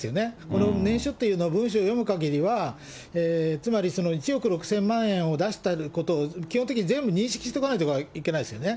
この念書というのを文書を読むかぎりは、つまり１億６０００万円を出したことを基本的に全部認識しておかないといけないですよね。